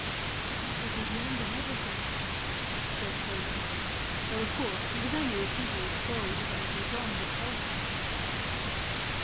" And that will be the end of every thing," said Toby, though of course he was only repeating a story his Uncle John had told him.